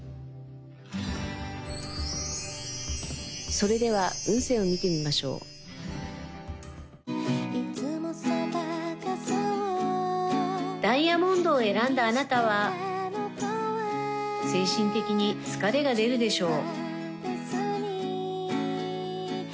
それでは運勢を見てみましょうダイヤモンドを選んだあなたは精神的に疲れが出るでしょう